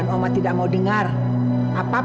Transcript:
dan oma tidak mau dengar apapun alasan kamu